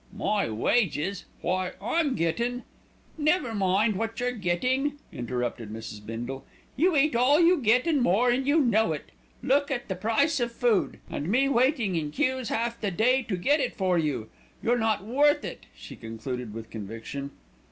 "My wages! why, I'm gettin' " "Never mind what you're getting," interrupted Mrs. Bindle. "You eat all you get and more, and you know it. Look at the price of food, and me waiting in queues half the day to get it for you. You're not worth it," she concluded with conviction.